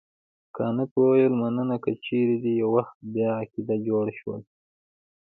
کانت وویل مننه که چیرې دې یو وخت بیا عقیده جوړه شول.